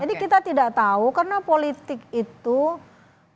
jadi kita tidak tahu karena politik itu tidak ada yang menjegalkannya